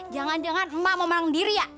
jangan jangan emak mau menang diri ya